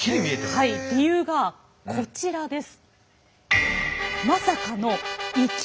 理由がこちらです。